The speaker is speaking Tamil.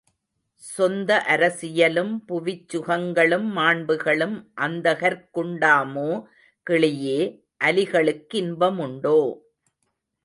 சொந்த அரசியலும் புவிச்சுகங்களும் மாண்புகளும் அந்தகர்க்குண்டாமோ கிளியே, அலிகளுக்கின்ப முண்டோ!